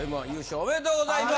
ありがとうございます！